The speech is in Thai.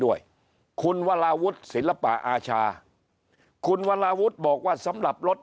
ด้วยคุณวราวุฒิศิลปะอาชาคุณวราวุฒิบอกว่าสำหรับรถ